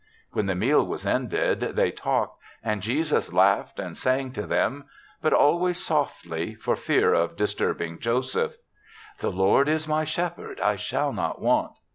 When the meal was ended they 56 THE SEVENTH CHRISTMAS talked, and Jesus laughed and sang to them; but always softly for fear of disturbing Joseph* " The Lord is my shepherd ; I shall not want."